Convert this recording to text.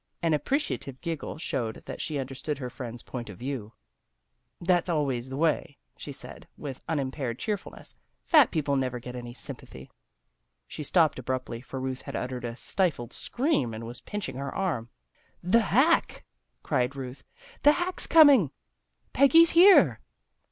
An appreciative giggle showed that she understood her friends' point of view. " That's always the way," she said, with unimpaired cheerfulness. " Fat people never get any sympathy." She stopped abruptly, for Ruth had uttered a stifled scream and was pinching her arm. "The hack!" cried Ruth. "The hack's coming. Peggy's here."